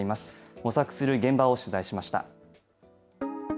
模索する現場を取材しました。